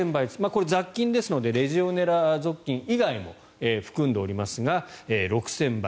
これは雑菌ですのでレジオネラ属菌以外も含んでおりますが６０００倍。